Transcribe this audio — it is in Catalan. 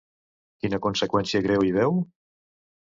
Quina conseqüència greu hi veu?